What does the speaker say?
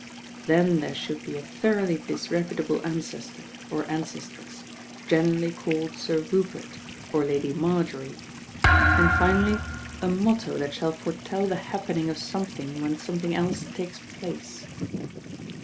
Then there should be a thoroughly dis reputable ancestor, or ancestress, generally called Sir Rupert, or Lady Marjorie, and finally a motto that shall foretell the happening of something when something else takes place."